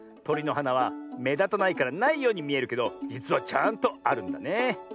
とりのはなはめだたないからないようにみえるけどじつはちゃんとあるんだねえ。